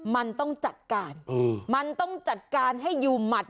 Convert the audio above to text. มันต้องจัดการมันต้องจัดการให้อยู่หมัด